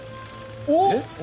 おっ！